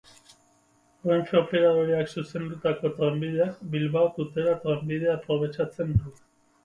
Renfe Operadoreak zuzendutako trenbideak Bilbao-Tutera trenbidea aprobetxatzen du.